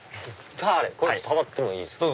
これ触ってもいいですか？